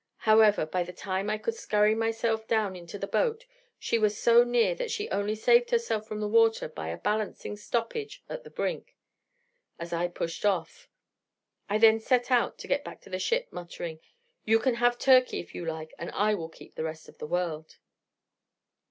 However, by the time I could scurry myself down into the boat, she was so near, that she only saved herself from the water by a balancing stoppage at the brink, as I pushed off. I then set out to get back to the ship, muttering: 'You can have Turkey, if you like, and I will keep the rest of the world.'